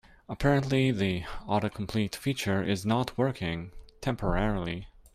Apparently, the autocomplete feature is not working temporarily.